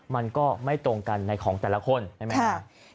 มันก็ไม่ตรงกันในของแต่ละคนใช่ไหมครับ